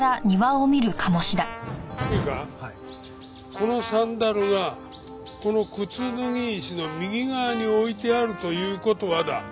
このサンダルがこの沓脱石の右側に置いてあるという事はだ。